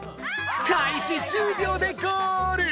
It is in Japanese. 開始１０秒でゴール！